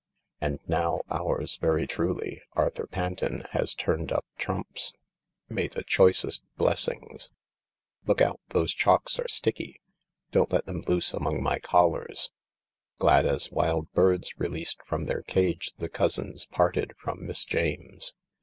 And now ours very truly, Arthur Panton, has turned up trumps. May the choicest hlessings Look out, those chocs, are sticky. Don't let them loose among my collars !" Glad as wild birds released from their cage, the cousins parted from Miss James.